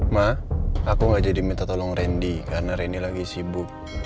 mak aku gak jadi minta tolong randy karena rendy lagi sibuk